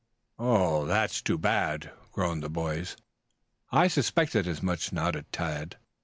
"Oh, that's too bad!" groaned the boys. "I suspected as much," nodded Tad.